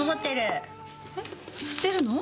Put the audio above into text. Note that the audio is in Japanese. えっ知ってるの？